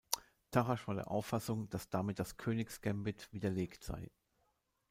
Tarrasch war der Auffassung, dass damit das Königsgambit widerlegt sei.